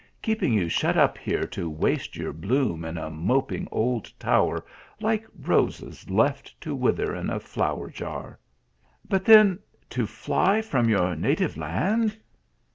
Keeping you shut up here to waste your bloom in a moping old tower, like roses left to wither in a flower jar. But then to fly from your native land."